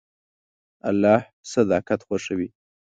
الله صداقت خوښوي.